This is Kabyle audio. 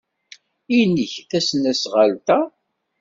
Nnek tesnasɣalt-a?